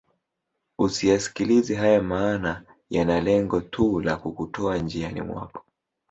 Usiyaskilize haya maana yana lengo tu la kukutoa njiani mwako